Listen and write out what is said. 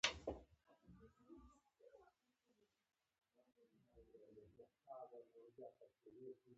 د علامه رشاد لیکنی هنر مهم دی ځکه چې زړورتیا لري.